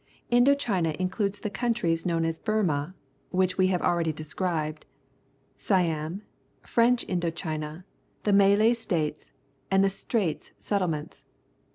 — Indo China includes the coun tries known as Burma, which we have al ready described, Siani, French Indo China, the Malay States, and the Straits Settlements.